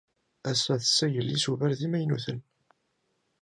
Ass-a, tessagel isubar d imaynuten.